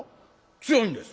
「強いんです」。